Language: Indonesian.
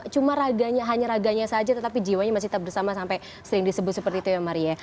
cuma hanya raganya saja tetapi jiwanya masih tetap bersama sampai sering disebut seperti itu ya maria ya